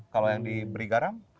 kalau yang diberi garam